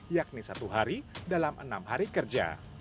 yakni satu hari dalam enam hari kerja